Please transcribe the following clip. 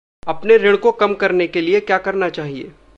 अपने ऋण को कम करने के लिये क्या करना चाहिए?